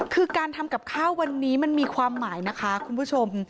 คือการทำกับข้าววันนี้มันมีความหมายนะคะคุณผู้ชม